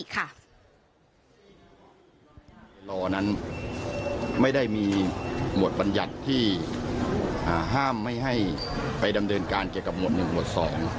หลักการสิทธิ์รอร์นั้นไม่ได้มีหมวดบรรยัติที่ห้ามให้ไปดำเนินการเกี่ยวกับหมวดหนึ่งหมวดสอง